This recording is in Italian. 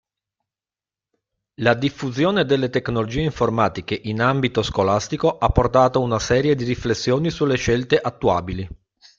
La diffusione delle tecnologie informatiche in ambito scolastico ha portato una serie di riflessioni sulle scelte attuabili.